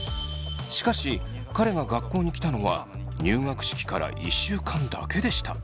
しかし彼が学校に来たのは入学式から１週間だけでした。